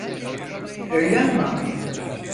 Öyle ama.